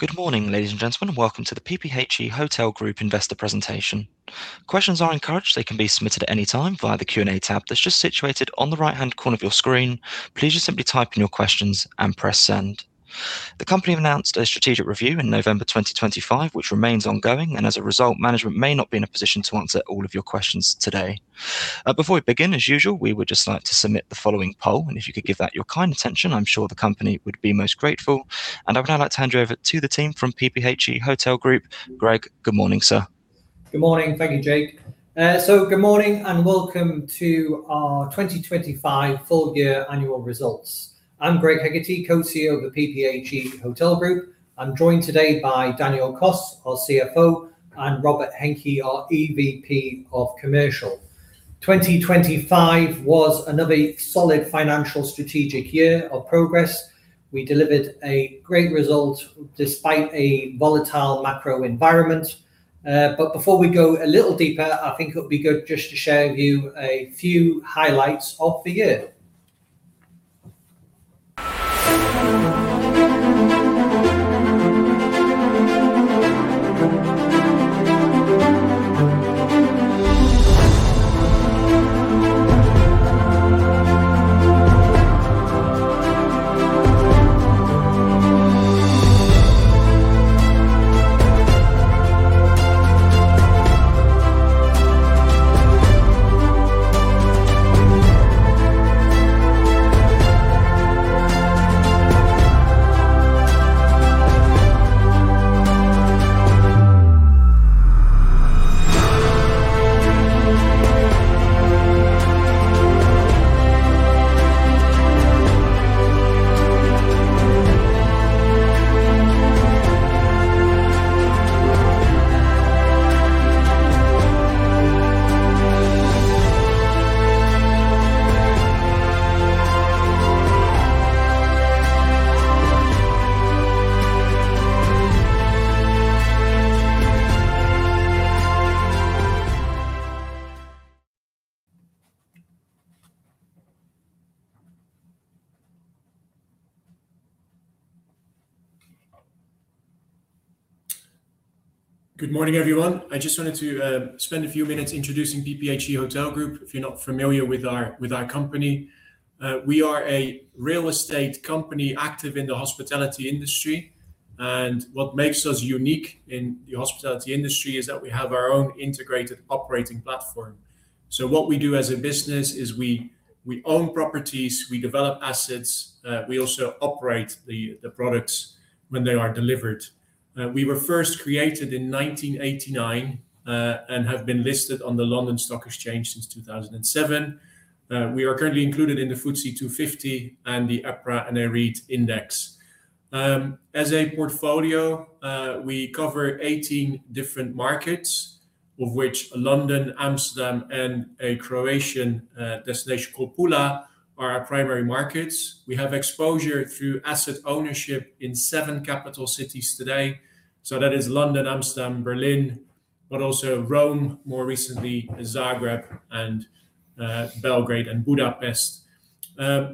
Good morning, ladies and gentlemen. Welcome to the PPHE Hotel Group investor presentation. Questions are encouraged. They can be submitted at any time via the Q&A tab that's just situated on the right-hand corner of your screen. Please just simply type in your questions and press Send. The company announced a strategic review in November 2025, which remains ongoing. As a result, management may not be in a position to answer all of your questions today. Before we begin, as usual, we would just like to submit the following poll, and if you could give that your kind attention, I'm sure the company would be most grateful. I would now like to hand you over to the team from PPHE Hotel Group. Greg, good morning, sir. Good morning. Thank you, Jake. Good morning, and welcome to our 2025 full year annual results. I'm Greg Hegarty, co-CEO of the PPHE Hotel Group. I'm joined today by Daniel Kos, our CFO, and Robert Henke, our EVP of Commercial. 2025 was another solid financial strategic year of progress. We delivered a great result despite a volatile macro environment. Before we go a little deeper, I think it would be good just to show you a few highlights of the year. Good morning, everyone. I just wanted to spend a few minutes introducing PPHE Hotel Group. If you're not familiar with our, with our company, we are a real estate company active in the hospitality industry, and what makes us unique in the hospitality industry is that we have our own integrated operating platform. What we do as a business is we own properties, we develop assets, we also operate the products when they are delivered. We were first created in 1989, and have been listed on the London Stock Exchange since 2007. We are currently included in the FTSE 250 and the FTSE EPRA Nareit Index. As a portfolio, we cover 18 different markets, of which London, Amsterdam, and a Croatian destination called Pula are our primary markets. We have exposure through asset ownership in seven capital cities today. That is London, Amsterdam, Berlin, but also Rome, more recently, Zagreb and Belgrade and Budapest.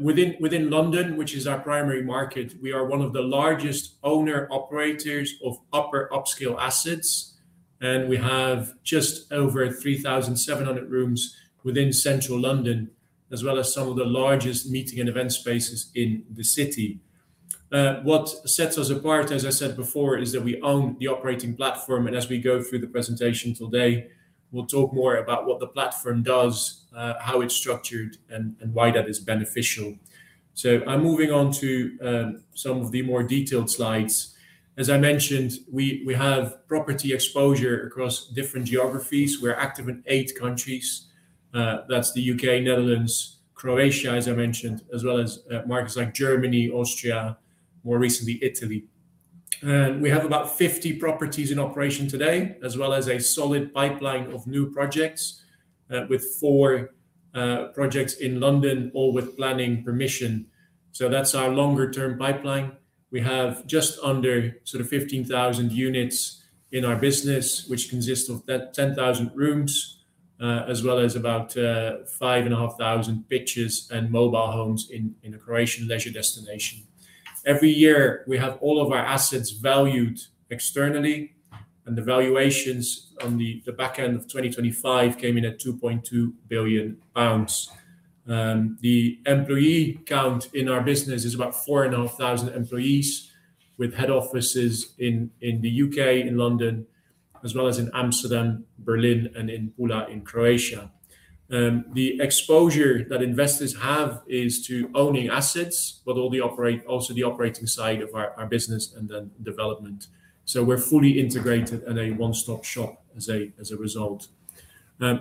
Within London, which is our primary market, we are one of the largest owner-operators of upper upscale assets, and we have just over 3,700 rooms within central London, as well as some of the largest meeting and event spaces in the city. What sets us apart, as I said before, is that we own the operating platform, and as we go through the presentation today, we'll talk more about what the platform does, how it's structured and why that is beneficial. I'm moving on to some of the more detailed slides. As I mentioned, we have property exposure across different geographies. We're active in eight countries. That's the U.K., Netherlands, Croatia, as I mentioned, as well as markets like Germany, Austria, more recently, Italy. We have about 50 properties in operation today, as well as a solid pipeline of new projects with four projects in London, all with planning permission. That's our longer-term pipeline. We have just under sort of 15,000 units in our business, which consists of 10,000 rooms, as well as about 5,500 pitches and mobile homes in a Croatian leisure destination. Every year, we have all of our assets valued externally, and the valuations on the back end of 2025 came in at 2.2 billion pounds. The employee count in our business is about 4,500 employees, with head offices in the U.K., in London, as well as in Amsterdam, Berlin and in Pula, in Croatia. The exposure that investors have is to owning assets, but also the operating side of our business and then development. We're fully integrated and a one-stop shop as a result.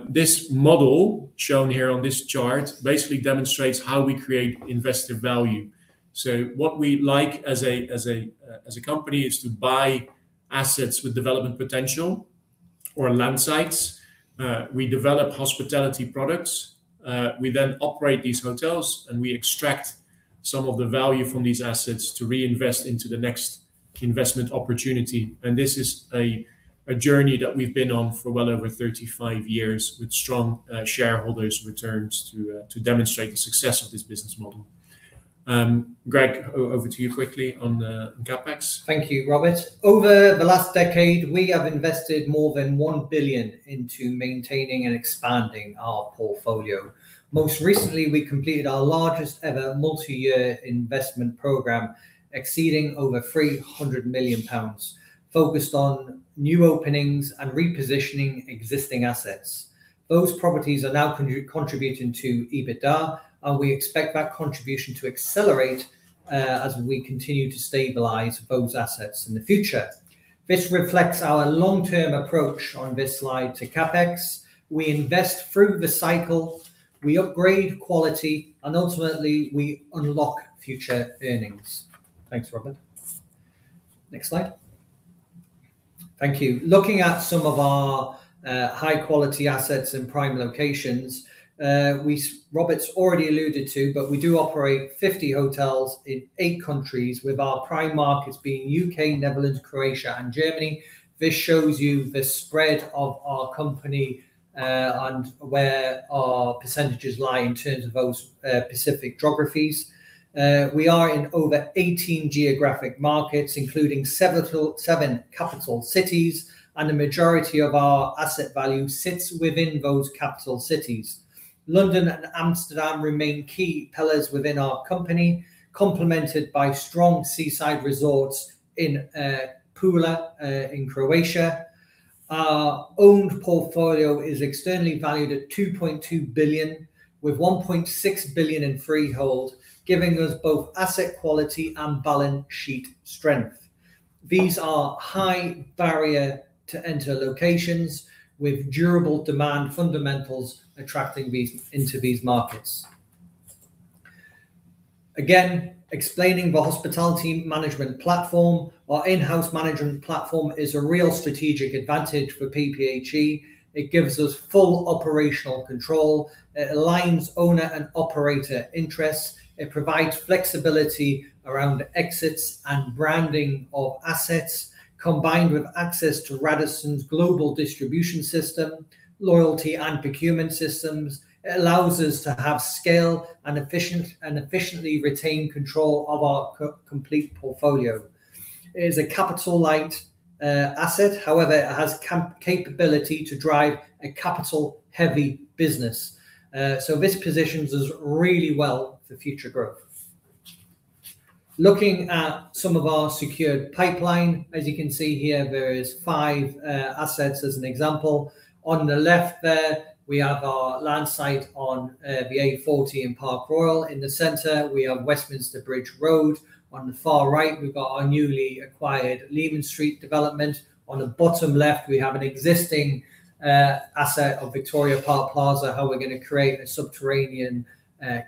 This model shown here on this chart basically demonstrates how we create investor value. What we like as a company is to buy assets with development potential or land sites. We develop hospitality products, we then operate these hotels, and we extract some of the value from these assets to reinvest into the next investment opportunity. This is a journey that we've been on for well over 35 years with strong shareholders returns to demonstrate the success of this business model. Greg, over to you quickly on the CapEx. Thank you, Robert. Over the last decade, we have invested more than 1 billion into maintaining and expanding our portfolio. Most recently, we completed our largest ever multi-year investment program, exceeding over 300 million pounds, focused on new openings and repositioning existing assets. Those properties are now contributing to EBITDA, and we expect that contribution to accelerate as we continue to stabilize those assets in the future. This reflects our long-term approach on this slide to CapEx. We invest through the cycle, we upgrade quality, and ultimately, we unlock future earnings. Thanks, Robert. Next slide. Thank you. Looking at some of our high-quality assets in prime locations, Robert's already alluded to, but we do operate 50 hotels in eight countries, with our prime markets being U.K., Netherlands, Croatia, and Germany. This shows you the spread of our company, and where our percentages lie in terms of those specific geographies. We are in over 18 geographic markets, including seven total, seven capital cities, and the majority of our asset value sits within those capital cities. London and Amsterdam remain key pillars within our company, complemented by strong seaside resorts in Pula, in Croatia. Our owned portfolio is externally valued at 2.2 billion, with 1.6 billion in freehold, giving us both asset quality and balance sheet strength. These are high barrier to enter locations with durable demand fundamentals attracting these into these markets. Explaining the hospitality management platform. Our in-house management platform is a real strategic advantage for PPHE. It gives us full operational control, it aligns owner and operator interests, it provides flexibility around exits and branding of assets, combined with access to Radisson's global distribution system, loyalty and procurement systems. It allows us to have scale and efficiently retain control of our co-complete portfolio. It is a capital light asset, however, it has capability to drive a capital-heavy business. This positions us really well for future growth. Looking at some of our secured pipeline, as you can see here, there is five assets as an example. On the left there, we have our land site on the A40 in Park Royal. In the center, we have Westminster Bridge Road. On the far right, we've got our newly acquired Leman Street development. On the bottom left, we have an existing asset of Victoria Park Plaza, how we're going to create a subterranean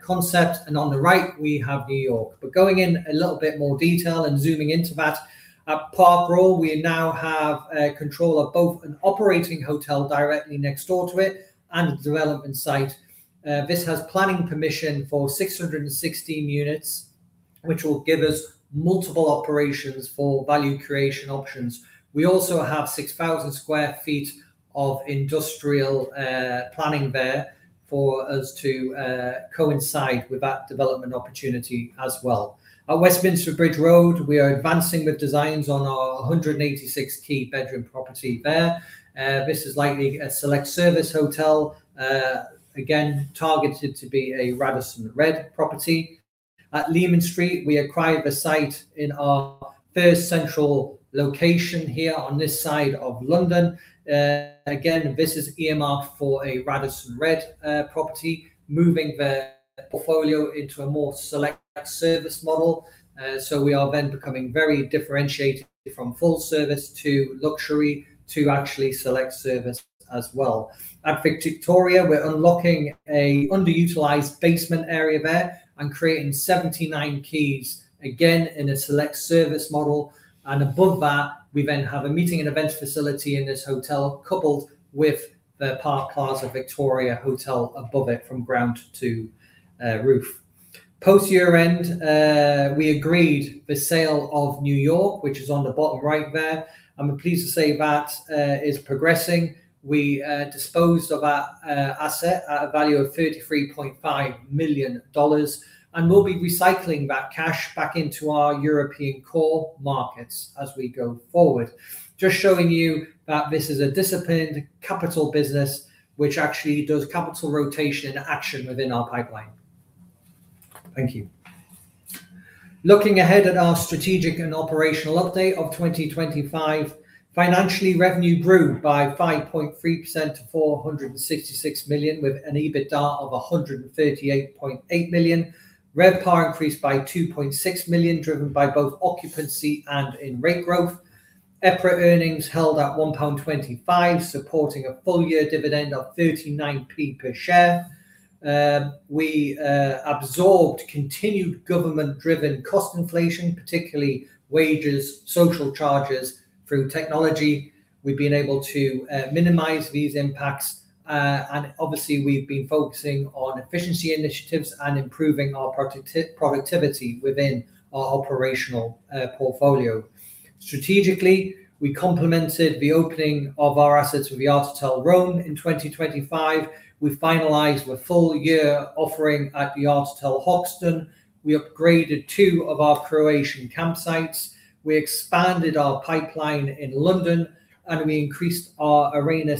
concept. On the right, we have New York. Going in a little bit more detail and zooming into that, at Park Royal, we now have control of both an operating hotel directly next door to it and a development site. This has planning permission for 616 units, which will give us multiple operations for value creation options. We also have 6,000 sq ft of industrial planning there for us to coincide with that development opportunity as well. At Westminster Bridge Road, we are advancing with designs on our 186 key bedroom property there. This is likely a select service hotel, again, targeted to be a Radisson RED property. At Leman Street, we acquired the site in our first central location here on this side of London. Again, this is earmarked for a Radisson RED property, moving the portfolio into a more select service model. So we are then becoming very differentiated from full service to luxury, to actually select service as well. At Victoria, we're unlocking a underutilized basement area there and creating 79 keys, again, in a select service model. Above that, we then have a meeting and event facility in this hotel, coupled with the Park Plaza Victoria Hotel above it from ground to roof. Post-year-end, we agreed the sale of New York, which is on the bottom right there. I'm pleased to say that is progressing. We disposed of our asset at a value of $33.5 million. We'll be recycling that cash back into our European core markets as we go forward. Just showing you that this is a disciplined capital business, which actually does capital rotation into action within our pipeline. Thank you. Looking ahead at our strategic and operational update of 2025, financially, revenue grew by 5.3% to 466 million, with an EBITDA of 138.8 million. RevPAR increased by 2.6 million, driven by both occupancy and in rate growth. EPRA earnings held at 1.25 pound, supporting a full-year dividend of 0.39 per share. We absorbed continued government-driven cost inflation, particularly wages, social charges through technology. We've been able to minimize these impacts, and obviously, we've been focusing on efficiency initiatives and improving our productivity within our operational portfolio. Strategically, we complemented the opening of our assets with the art'otel Rome in 2025. We finalized a full year offering at the art'otel Hoxton. We upgraded two of our Croatian campsites. We expanded our pipeline in London, and we increased our Arena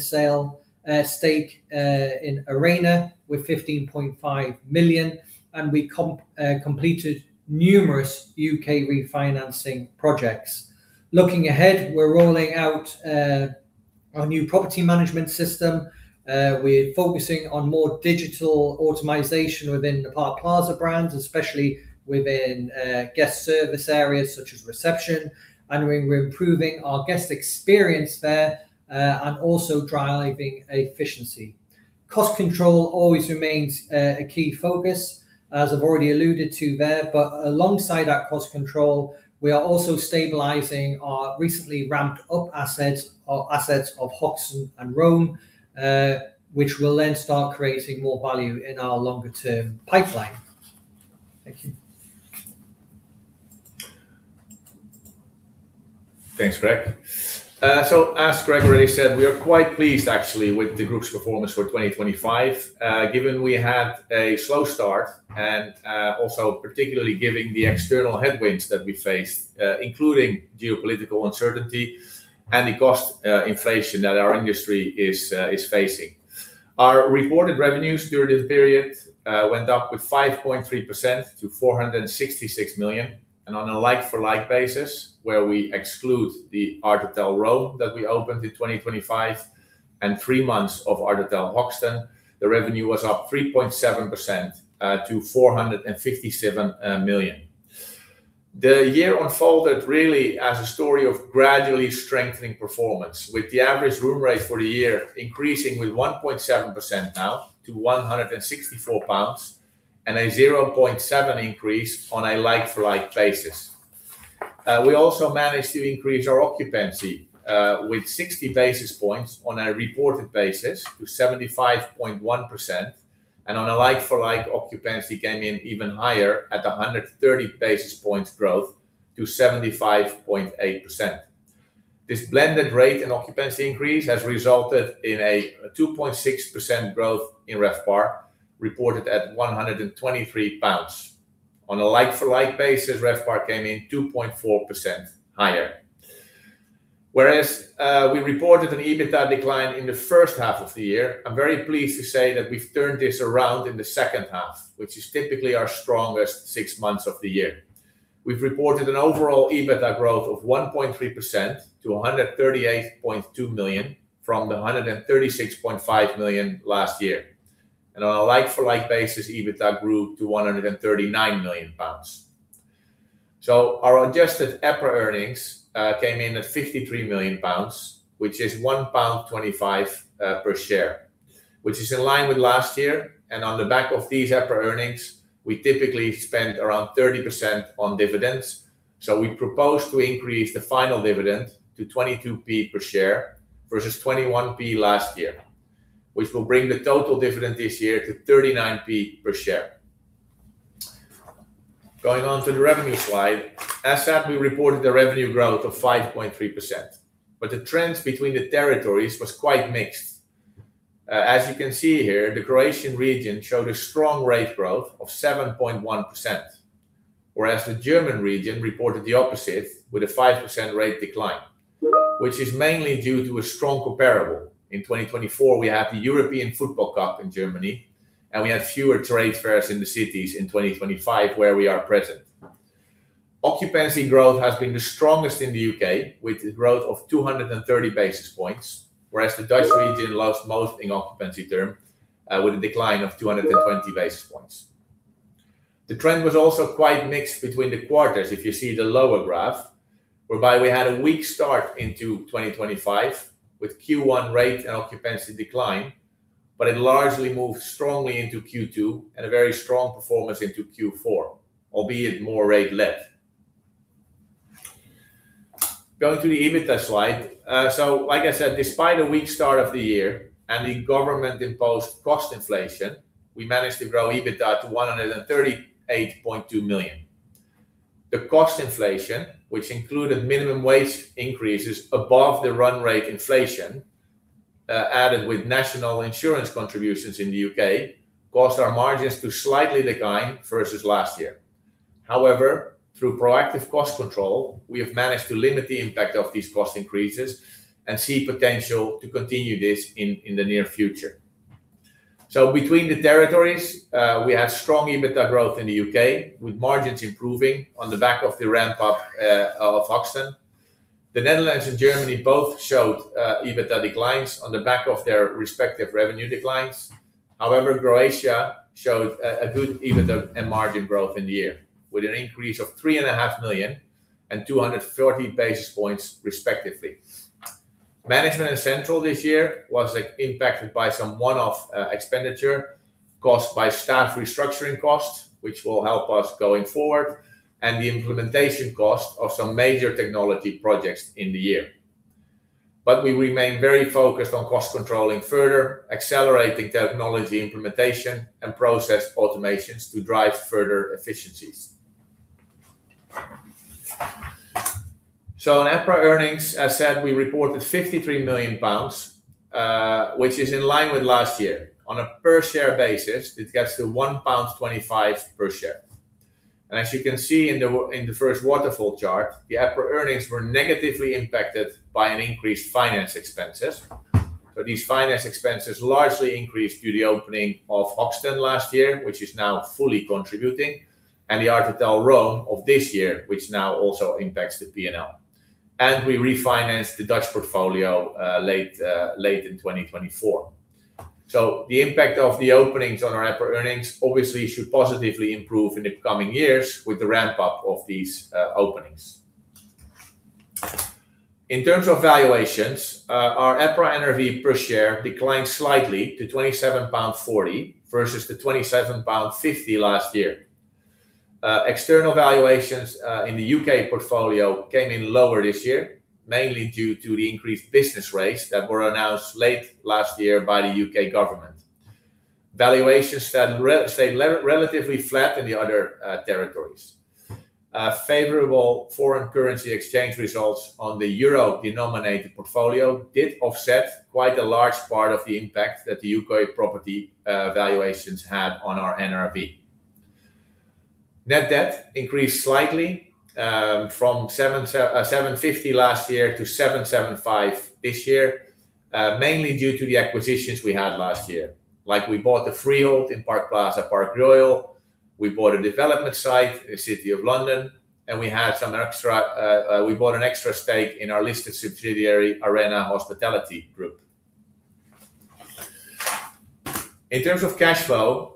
stake in Arena with 15.5 million, and we completed numerous U.K. refinancing projects. Looking ahead, we're rolling out our new property management system. We're focusing on more digital automation within the Park Plaza brand, especially within guest service areas such as reception, and we're improving our guest experience there, and also driving efficiency. Cost control always remains a key focus, as I've already alluded to there. Alongside that cost control, we are also stabilizing our recently ramped-up assets, or assets of Hoxton and Rome, which will then start creating more value in our longer-term pipeline. Thank you. Thanks, Greg. As Greg said, we are quite pleased actually with the group's performance for 2025, given we had a slow start and also particularly giving the external headwinds that we faced, including geopolitical uncertainty and the cost inflation that our industry is facing. Our reported revenues during this period went up with 5.3% to 466 million, and on a like-for-like basis, where we exclude the art'otel Rome that we opened in 2025, and three months of art'otel Hoxton, the revenue was up 3.7% to 457 million. The year unfolded really as a story of gradually strengthening performance, with the average room rate for the year increasing with 1.7% now to 164 pounds, and a 0.7% increase on a like-for-like basis. We also managed to increase our occupancy with 60 basis points on a reported basis to 75.1%, and on a like-for-like, occupancy came in even higher at 130 basis points growth to 75.8%. This blended rate and occupancy increase has resulted in a 2.6% growth in RevPAR, reported at 123 pounds. On a like-for-like basis, RevPAR came in 2.4% higher. We reported an EBITDA decline in the first half of the year, I'm very pleased to say that we've turned this around in the second half, which is typically our strongest six months of the year. We've reported an overall EBITDA growth of 1.3% to 138.2 million from 136.5 million last year. On a like-for-like basis, EBITDA grew to 139 million pounds. Our adjusted EPRA earnings came in at 53 million pounds, which is 1.25 pound per share, which is in line with last year. On the back of these EPRA earnings, we typically spend around 30% on dividends. We propose to increase the final dividend to 0.22 per share versus 0.21 last year, which will bring the total dividend this year to 0.39 per share. Going on to the revenue slide. As said, we reported the revenue growth of 5.3%, but the trends between the territories was quite mixed. As you can see here, the Croatian region showed a strong rate growth of 7.1%, whereas the German region reported the opposite, with a 5% rate decline, which is mainly due to a strong comparable. In 2024, we had the European Football Cup in Germany, and we had fewer trade fairs in the cities in 2025, where we are present. Occupancy growth has been the strongest in the U.K., with the growth of 230 basis points, whereas the Dutch region lost most in occupancy term, with a decline of 220 basis points. The trend was also quite mixed between the quarters, if you see the lower graph, whereby we had a weak start into 2025, with Q1 rate and occupancy decline, but it largely moved strongly into Q2 and a very strong performance into Q4, albeit more rate led. Going to the EBITDA slide. Like I said, despite a weak start of the year and the government-imposed cost inflation, we managed to grow EBITDA to 138.2 million. The cost inflation, which included minimum wage increases above the run rate inflation, added with National Insurance contributions in the U.K., caused our margins to slightly decline versus last year. However, through proactive cost control, we have managed to limit the impact of these cost increases and see potential to continue this in the near future. Between the territories, we had strong EBITDA growth in the U.K., with margins improving on the back of the ramp up of Hoxton. The Netherlands and Germany both showed EBITDA declines on the back of their respective revenue declines. However, Croatia showed a good EBITDA and margin growth in the year, with an increase of 3.5 million and 230 basis points, respectively. Management and central this year was, like, impacted by some one-off expenditure. Caused by staff restructuring costs, which will help us going forward, and the implementation cost of some major technology projects in the year. We remain very focused on cost controlling, further accelerating technology implementation and process automations to drive further efficiencies. On EPRA earnings, as said, we reported 53 million pounds, which is in line with last year. On a per share basis, it gets to 1.25 pound per share. As you can see in the first waterfall chart, the EPRA earnings were negatively impacted by an increased finance expenses. These finance expenses largely increased due to the opening of Hoxton last year, which is now fully contributing, and the art'otel Rome of this year, which now also impacts the PNL. We refinanced the Dutch portfolio late in 2024. The impact of the openings on our EPRA earnings obviously should positively improve in the coming years with the ramp-up of these openings. In terms of valuations, our EPRA NRV per share declined slightly to 27.40 pound versus the 27.50 pound last year. External valuations in the U.K. portfolio came in lower this year, mainly due to the increased business rates that were announced late last year by the U.K. government. Valuations stayed relatively flat in the other territories. Favorable foreign currency exchange results on the euro-denominated portfolio did offset quite a large part of the impact that the U.K. property valuations had on our NRV. Net debt increased slightly from 750 last year to 775 this year, mainly due to the acquisitions we had last year. Like, we bought the freehold in Park Plaza, Park Royal, we bought a development site in the City of London, and we had some extra. We bought an extra stake in our listed subsidiary, Arena Hospitality Group. In terms of cash flow,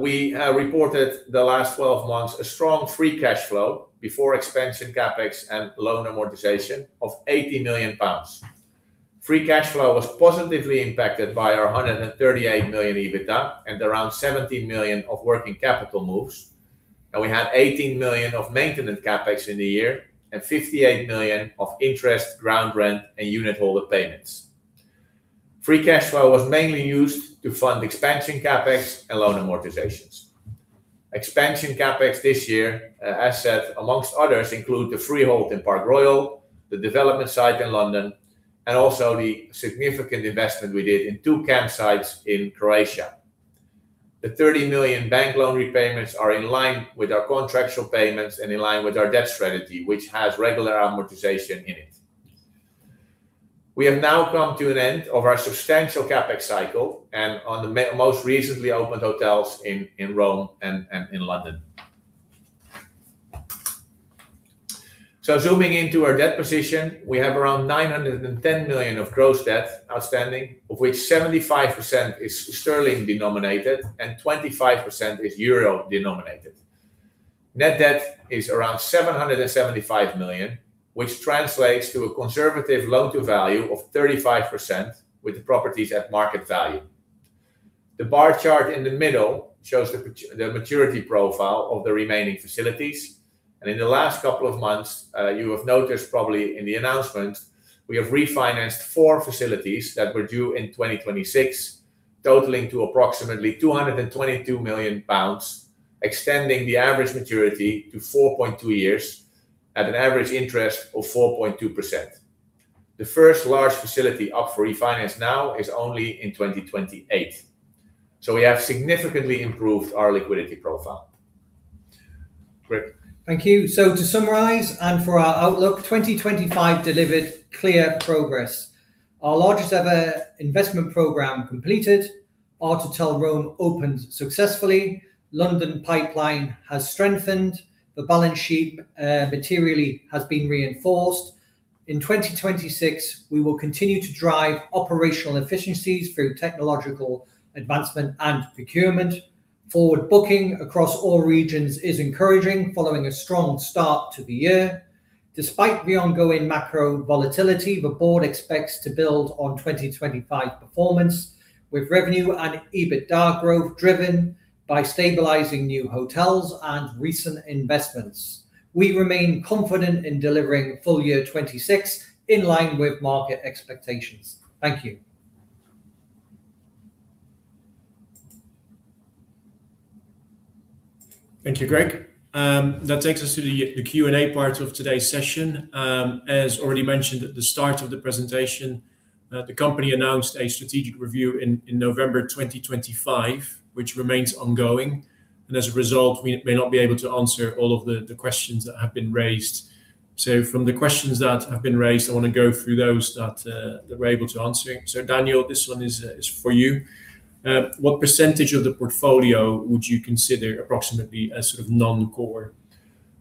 we reported the last 12 months a strong free cash flow before expansion CapEx and loan amortization of 80 million pounds. Free cash flow was positively impacted by our 138 million EBITDA and around 70 million of working capital moves, and we had 18 million of maintenance CapEx in the year and 58 million of interest, ground rent, and unitholder payments. Free cash flow was mainly used to fund expansion CapEx and loan amortizations. Expansion CapEx this year, as said, amongst others, include the freehold in Park Royal, the development site in London, and also the significant investment we did in two campsites in Croatia. The 30 million bank loan repayments are in line with our contractual payments and in line with our debt strategy, which has regular amortization in it. We have now come to an end of our substantial CapEx cycle, and on the most recently opened hotels in Rome and in London. Zooming into our debt position, we have around 910 million of gross debt outstanding, of which 75% is sterling denominated and 25% is euro denominated. Net debt is around 775 million, which translates to a conservative loan-to-value of 35%, with the properties at market value. The bar chart in the middle shows the maturity profile of the remaining facilities. In the last couple of months, you have noticed probably in the announcement, we have refinanced four facilities that were due in 2026, totaling to approximately 222 million pounds, extending the average maturity to 4.2 years at an average interest of 4.2%. The first large facility up for refinance now is only in 2028. We have significantly improved our liquidity profile. Greg? Thank you. To summarize and for our outlook, 2025 delivered clear progress. Our largest ever investment program completed, art'otel Rome opened successfully, London pipeline has strengthened, the balance sheet materially has been reinforced. In 2026, we will continue to drive operational efficiencies through technological advancement and procurement. Forward booking across all regions is encouraging following a strong start to the year. Despite the ongoing macro volatility, the board expects to build on 2025 performance, with revenue and EBITDA growth driven by stabilizing new hotels and recent investments. We remain confident in delivering full year 2026 in line with market expectations. Thank you. Thank you, Greg. That takes us to the Q&A part of today's session. As already mentioned at the start of the presentation, the company announced a strategic review in November 2025, which remains ongoing, and as a result, we may not be able to answer all of the questions that have been raised. From the questions that have been raised, I want to go through those that we're able to answer. Daniel, this one is for you. What percentage of the portfolio would you consider approximately as sort of non-core?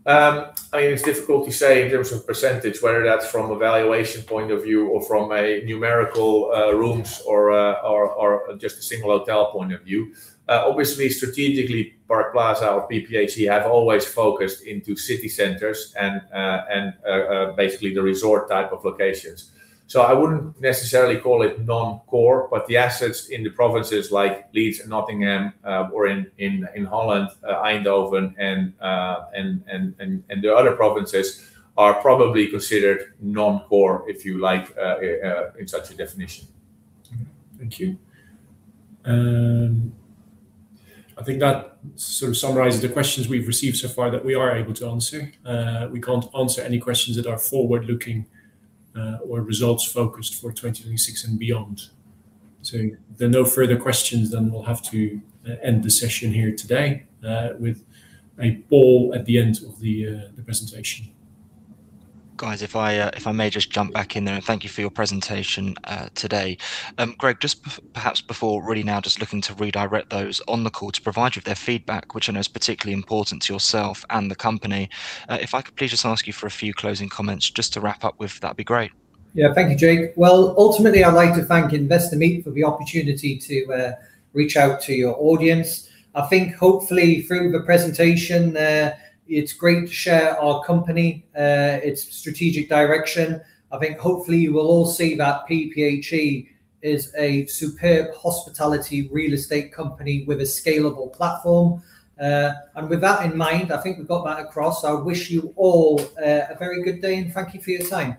I mean, it's difficult to say in terms of percentage, whether that's from a valuation point of view or from a numerical rooms or just a single hotel point of view. Obviously, strategically, Park Plaza or PPH have always focused into city centers and basically the resort type of locations. I wouldn't necessarily call it non-core, but the assets in the provinces like Leeds and Nottingham, or in Holland, Eindhoven and the other provinces are probably considered non-core, if you like, in such a definition. Thank you. I think that sort of summarizes the questions we've received so far that we are able to answer. We can't answer any questions that are forward-looking, or results focused for 2026 and beyond. If there are no further questions, then we'll have to end the session here today, with a ball at the end of the presentation. Guys, if I, if I may just jump back in there. Thank you for your presentation today. Greg, just perhaps before really now just looking to redirect those on the call to provide you with their feedback, which I know is particularly important to yourself and the company, if I could please just ask you for a few closing comments just to wrap up with, that'd be great. Yeah. Thank you, Jake. Well, ultimately, I'd like to thank Investor Meet for the opportunity to reach out to your audience. I think hopefully through the presentation, it's great to share our company, its strategic direction. I think hopefully you will all see that PPHE is a superb hospitality real estate company with a scalable platform. With that in mind, I think we've got that across. I wish you all a very good day, and thank you for your time.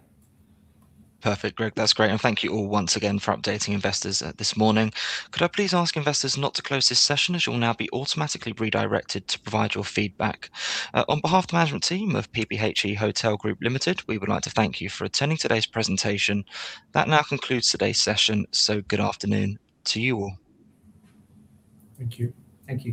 Perfect, Greg. That's great, and thank you all once again for updating investors this morning. Could I please ask investors not to close this session, as you will now be automatically redirected to provide your feedback. On behalf of the management team of PPHE Hotel Group Limited, we would like to thank you for attending today's presentation. That now concludes today's session. Good afternoon to you all. Thank you. Thank you.